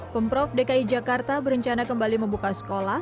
pemprov dki jakarta berencana kembali membuka sekolah